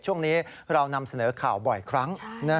ช่วงนี้เรานำเสนอข่าวบ่อยครั้ง